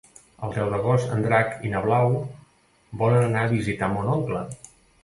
El deu d'agost en Drac i na Blau volen anar a visitar mon oncle.